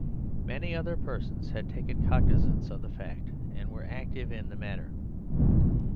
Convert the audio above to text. Many other persons had taken cognisance of the fact, and were active in the matter.